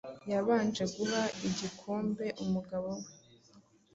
Yabanje guha igikombe umugabo we